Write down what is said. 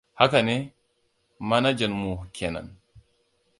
Haka ne, manajanmu kenan.